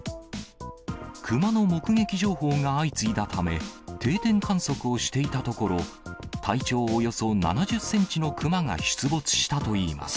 クマの目撃情報が相次いだため、定点観測をしていたところ、体長およそ７０センチのクマが出没したといいます。